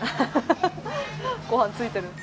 ご飯ついてる。